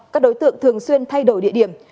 các đối tượng thường xuyên thay đổi địa điểm